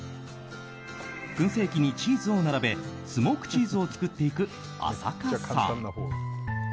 燻製器にチーズを並べスモークチーズを作っていく浅香さん。